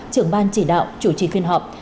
trưởng ban chỉ đạo chủ trị phiên họp